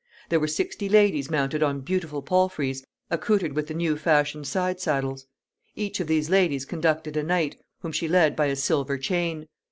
There were sixty ladies mounted on beautiful palfreys, accoutred with the new fashioned side saddles. Each of these ladies conducted a knight, whom she led by a silver chain.